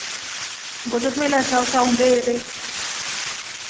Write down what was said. Ngoto ntwela chao cha mmbere.